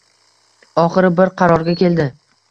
Oxiri bir qarorga keldi